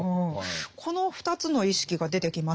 この２つの意識が出てきましたよね。